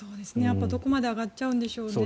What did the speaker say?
どこまで上がっちゃうんでしょうね。